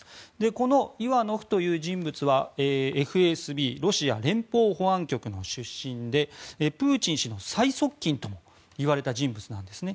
このイワノフという人物はＦＳＢ・ロシア連邦保安局の出身でプーチン氏の最側近ともいわれた人物なんですね。